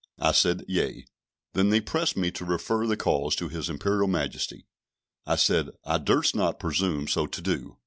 I said, "Yea;" then they pressed me to refer the cause to His Imperial Majesty; I said, I durst not presume so to do.